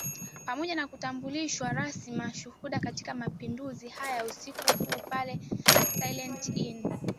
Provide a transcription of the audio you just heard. Pamoja na kutambulishwa rasmi mashuhuda katika mapinduzi haya usiku huo pale Silent Inn